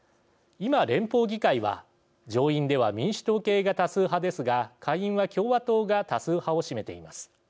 今、連邦議会は上院では民主党系が多数派ですが下院は共和党が多数派を占めています。